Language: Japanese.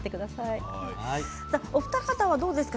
お二方はどうですか。